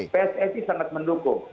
pssi sangat mendukung